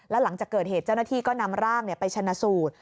แล้วหลังจากเกิดเหตุเจ้าหน้าที่ก็นำร่างไปชนะสูตร